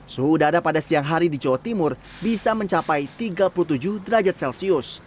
suhu udara pada siang hari di jawa timur bisa mencapai tiga puluh tujuh derajat celcius